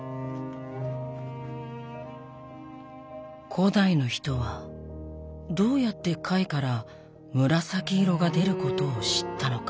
古代の人はどうやって貝から紫色が出ることを知ったのか？